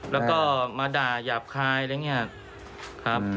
แล้วก็มาด่าหยาบคายอะไรอย่างนี้ครับ